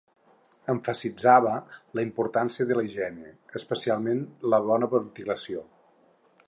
Emfasitzava la importància de la higiene, especialment la bona ventilació.